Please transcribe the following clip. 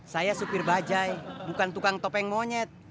saya sopir bajaj bukan tukang topeng monyet